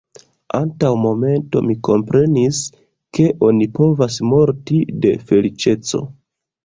Antaŭ momento mi komprenis, ke oni povas morti de feliĉeco.